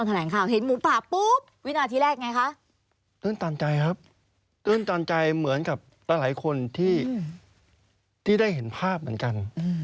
จะไม่รู้สึกเท่าทั้งสองท่าน